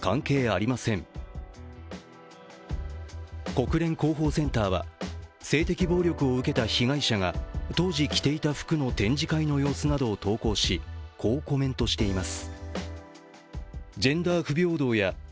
国連広報センターは性的暴力を受けた被害者が当時着ていた服の展示会の様子などを投稿しこうコメントしています。